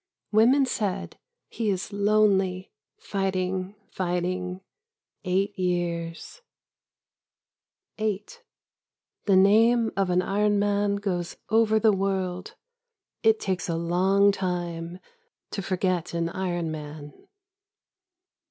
Women said: He is lonely ... fighting ... fighting ... eight years . 8 The name of an iron man goes over the world. It takes a long time to forget an iron man.